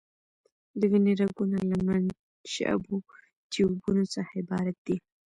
د وینې رګونه له منشعبو ټیوبونو څخه عبارت دي.